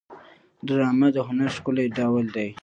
ډرامه د هنر ښکلی ډول دی